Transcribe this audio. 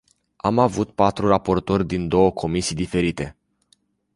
Am avut patru raportori din două comisii diferite.